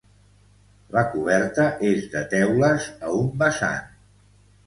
La coberta és de teules a un vessant.